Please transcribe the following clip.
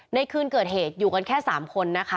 ในคืนเกิดเหตุอยู่กันแค่๓คนนะคะ